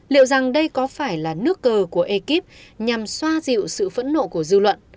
liệu rằng đây có phải là nước cờ của ekip nhằm xoa dịu sự phẫn nộ của dư luận